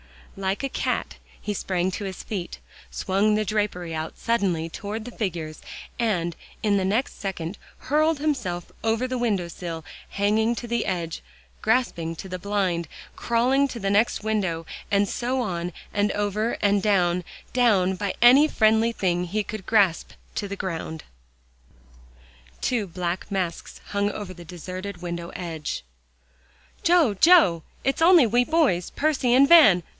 Like a cat, he sprang to his feet, swung the drapery out suddenly toward the figures, and in the next second hurled himself over the window sill, hanging to the edge, grasping the blind, crawling to the next window, and so on and over, and down, down, by any friendly thing he could grasp, to the ground. Two black masks hung over the deserted window edge. "Joe Joe! it's only we boys Percy and Van.